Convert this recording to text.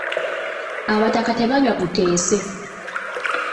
Abataka tebanywa guteese.